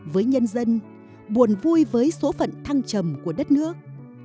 với nhân dân buồn vui với số phận thăng trầm của đất nước